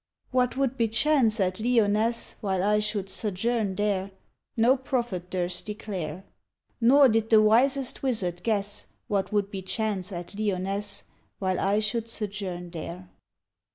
What would bechance at Lyonnesse While I should sojourn there No prophet durst declare, Nor did the wisest wizard guess What would bechance at Lyonnesse While I should sojourn there.